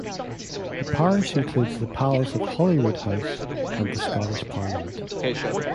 The parish includes the Palace of Holyroodhouse and the Scottish Parliament.